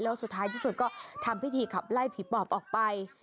แล้วสุดท้ายที่สุดก็ทำพิธีขับไล่ผีปอบออกไป